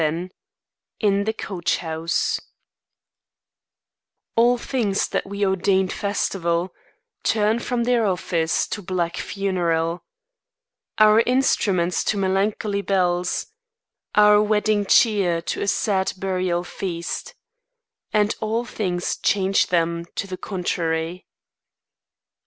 XI IN THE COACH HOUSE All things that we ordained festival Turn from their office to black funeral; Our instruments to melancholy bells; Our wedding cheer to a sad burial feast; And all things change them to the contrary.